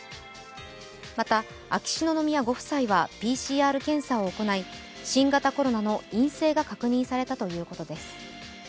また、秋篠宮ご夫妻はＰＣＲ検査を行い新型コロナの陰性が確認されたということです